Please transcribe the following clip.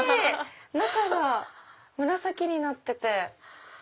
中が紫になってて。